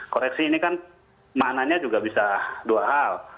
koreksi ini kan maknanya juga bisa dua hal